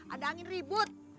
ada angin ribut